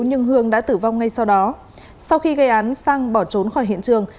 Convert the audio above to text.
nhưng hương đã tử vong ngay sau đó sau khi gây án sang bỏ trốn khỏi hiện trường